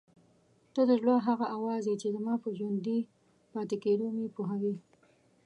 ته د زړه هغه اواز یې چې زما په ژوندي پاتې کېدو مې پوهوي.